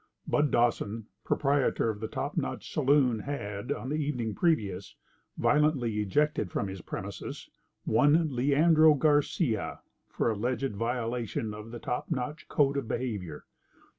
Bud Dawson, proprietor of the Top Notch Saloon, had, on the evening previous, violently ejected from his premises one Leandro Garcia, for alleged violation of the Top Notch code of behaviour.